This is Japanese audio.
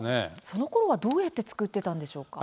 そのころは、どうやって作ってたんでしょうか？